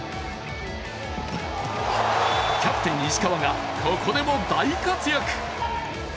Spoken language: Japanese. キャプテン・石川がここでも大活躍。